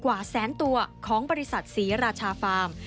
กว่าแสนตัวของบริษัทศรีราชาฟาร์ม